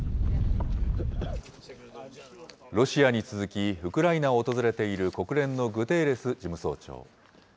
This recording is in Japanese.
ロシアに続き、ウクライナを訪れている国連のグテーレス事務総長。